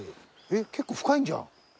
えっ結構深いんじゃん。